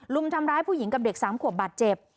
รุมทำร้ายผู้หญิงกับเด็ก๓ขวบบาดเจ็บ